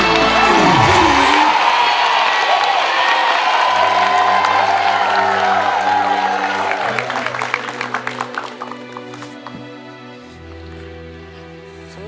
ร้องได้ครับ